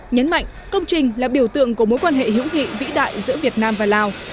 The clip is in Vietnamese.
nhấn mạnh công trình là biểu tượng của mối quan hệ hữu nghị vĩ đại giữa việt nam và lào